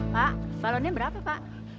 pak balonnya berapa pak